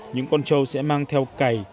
những con châu sẽ mang theo cày